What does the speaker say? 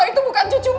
itu bukan cucu mama